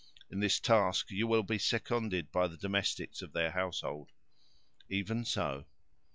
In this task you will be seconded by the domestics of their household." "Even so."